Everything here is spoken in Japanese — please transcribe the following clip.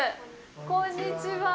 こんにちは。